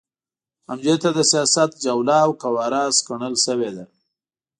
همدې ته د سیاست جوله او قواره سکڼل شوې ده.